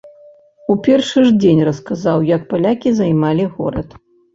У першы ж дзень расказаў, як палякі займалі горад!